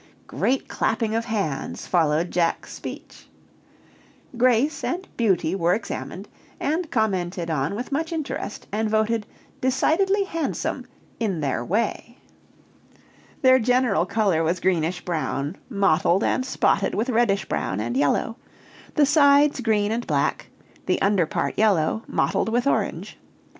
Great clapping of hands followed Jack's speech. "Grace" and "Beauty" were examined, and commented on with much interest, and voted decidedly handsome "in their way." Their general color was greenish brown, mottled and spotted with reddish brown and yellow; the sides green and black; the under part yellow, mottled with orange.